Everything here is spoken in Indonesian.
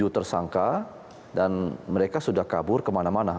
tujuh tersangka dan mereka sudah kabur kemana mana